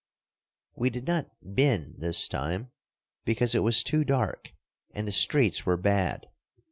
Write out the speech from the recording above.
We did not "bin" this time, because it was too dark, and the streets were bad.